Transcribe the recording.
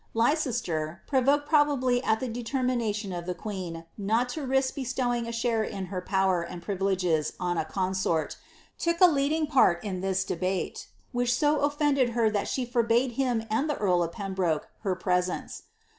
Leicester, provoked probably at the determination of the queen not to risk bestowing a share in her power and privileges on I consort, took a leading part in this debate, which so ofifended her that •he forbade him and the earl of Pembroke her presence.'